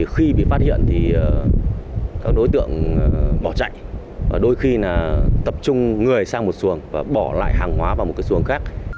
khi bị phát hiện thì các đối tượng bỏ chạy đôi khi là tập trung người sang một xuồng và bỏ lại hàng hóa vào một xuồng khác